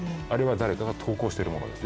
誰かが投稿しているものです。